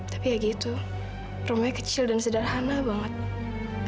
tapi ya gitu rumahnya kecil dan sederhana banget